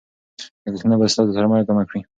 لګښتونه به ستا سرمایه کمه کړي.